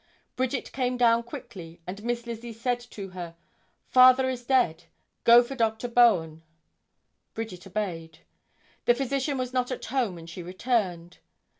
Bridget came down quickly and Miss Lizzie said to her, "Father is dead, go for Dr. Bowen." Bridget obeyed. The physician was not at home and she returned.